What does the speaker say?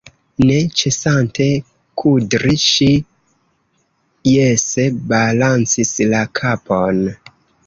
Ne ĉesante kudri, ŝi jese balancis la kapon.